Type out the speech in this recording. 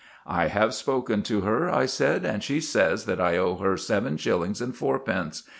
] "I have spoken to her," I said, "and she says that I owe her seven shillings and fourpence.